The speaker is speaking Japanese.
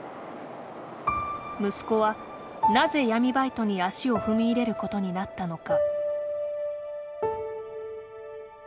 息子はなぜ、闇バイトに足を踏み入れることになったのか。